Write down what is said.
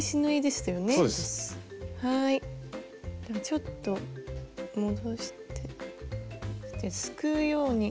ちょっと伸ばしてすくうように。